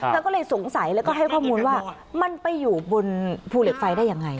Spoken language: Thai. เธอก็เลยสงสัยแล้วก็ให้ข้อมูลว่ามันไปอยู่บนภูเหล็กไฟได้ยังไง